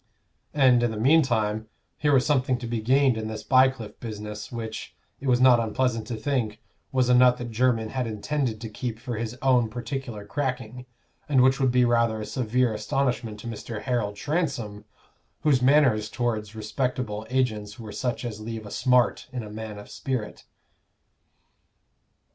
And, in the meantime, here was something to be gained in this Bycliffe business, which, it was not unpleasant to think, was a nut that Jermyn had intended to keep for his own particular cracking, and which would be rather a severe astonishment to Mr. Harold Transome, whose manners towards respectable agents were such as leave a smart in a man of spirit.